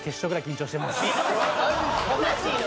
おかしいのよ。